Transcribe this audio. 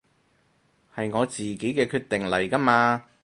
係我自己嘅決定嚟㗎嘛